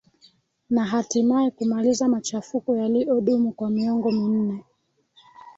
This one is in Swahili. na hatimaye kumaliza machafuko yaliodumu kwa miongo minne